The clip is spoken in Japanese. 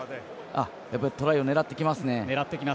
やっぱりトライを狙ってきますね。